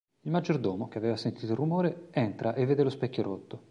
Il maggiordomo, che aveva sentito il rumore, entra e vede lo specchio rotto.